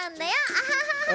アハハハハ。